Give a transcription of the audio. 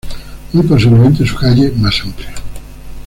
Muy posiblemente, su calle más amplia.